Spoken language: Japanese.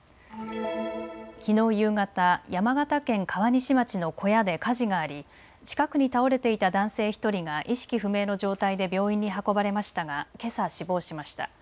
きのう夕方、山形県川西町の小屋で火事があり近くに倒れていた男性１人が意識不明の状態で病院に運ばれましたがけさ死亡しました。